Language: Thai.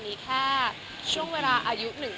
ที่ดำรงกำแห่ง